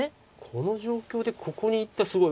この状況でここにいったすごい。